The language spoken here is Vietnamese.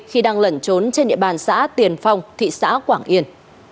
khi đang lẩn trốn trên địa bàn xã tiền phong thị xã quảng yên